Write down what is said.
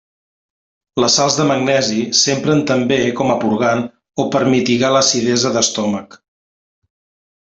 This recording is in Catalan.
Les sals de magnesi s'empren també com a purgant o per mitigar l'acidesa d'estómac.